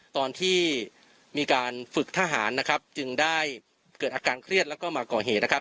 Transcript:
ตอนที่มีการฝึกทหารนะครับจึงได้เกิดอาการเครียดแล้วก็มาก่อเหตุนะครับ